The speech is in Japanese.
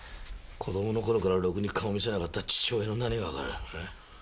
子供の頃からろくに顔見せなかった父親の何がわかる？え？